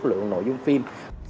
chất lượng nội dung phim